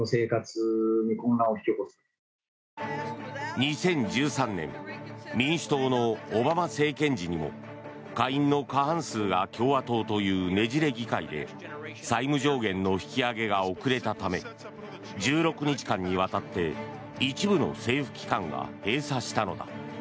２０１３年民主党のオバマ政権時にも下院の過半数が共和党というねじれ議会で債務上限の引き上げが遅れたため１６日間にわたって一部の政府機関が閉鎖したのだ。